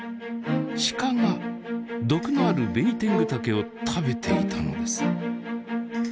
シカが毒のあるベニテングタケを食べていたのです。